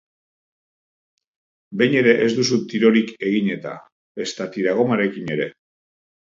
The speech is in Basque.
Behin ere ez duzu tirorik egin-eta, ezta tiragomarekin ere!